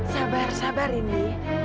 sabar sabar indy